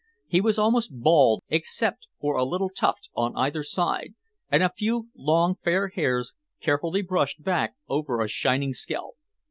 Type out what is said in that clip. He was almost bald, except for a little tuft on either side, and a few long, fair hairs carefully brushed back over a shining scalp.